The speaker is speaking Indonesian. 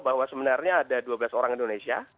bahwa sebenarnya ada dua belas orang indonesia